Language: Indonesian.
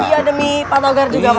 iya demi pak togar juga pak